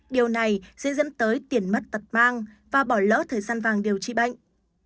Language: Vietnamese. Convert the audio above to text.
điều này sẽ dẫn tới tiền mất tật mang và bỏ lỡ thời gian vàng điều trị bệnh